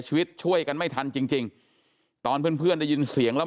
ชีวิตช่วยกันไม่ทันจริงจริงตอนเพื่อนเพื่อนได้ยินเสียงแล้ว